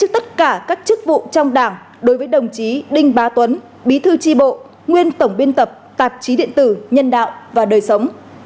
tất cả các chức vụ trong đảng đối với đồng chí đinh bá tuấn bí thư tri bộ nguyên tổng biên tập tạp chí điện tử nhân đạo và đời sống